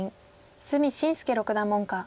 角慎介六段門下。